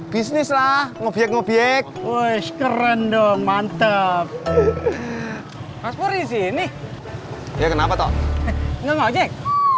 bisnis lah ngobjek ngobjek woi keren dong mantap mas purih sini ya kenapa toh enggak mau